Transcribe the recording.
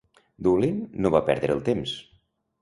Doolin no va perdre el temps.